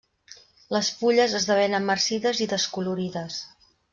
Les fulles esdevenen marcides i descolorides.